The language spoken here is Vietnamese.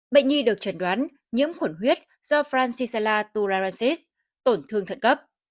bệnh nhi được trần đoán nhiễm khuẩn huyết do francisella tularensis tổn thương thận cấp